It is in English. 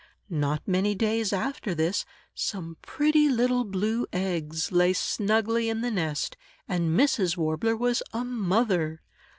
Not many days after this, some pretty little blue eggs lay snugly in the nest, and Mrs. Warbler was a mother!